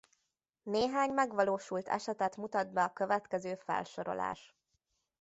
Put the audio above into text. Néhány megvalósult esetet mutat be a következő felsorolás.